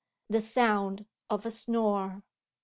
the sound of a Snore.